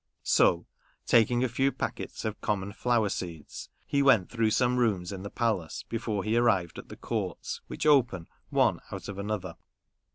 So, taking a few packets of common flower seeds, he went through some rooms in the palace before he arrived at the courts, which open one out of another.